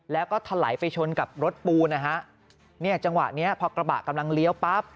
แล้วก็ถลายไปชนกับรถปูนะฮะเนี่ยจังหวะเนี้ยพอกระบะกำลังเลี้ยวปั๊บ